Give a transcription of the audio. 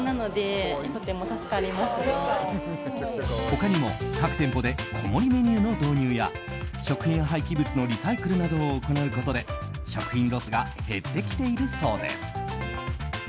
他にも各店舗で小盛りメニューの導入や食品廃棄物のリサイクルなどを行うことで食品ロスが減ってきているそうです。